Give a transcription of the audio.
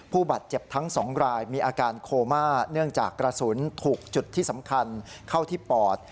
ผู้บาดเจ็บทั้งสองรายมีอาการโคม่าเนื่องจากกระสุนถูกจุดที่สำคัญเข้าที่ปอด